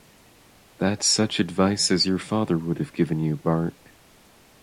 That's such advice as your father would have given you, Bart.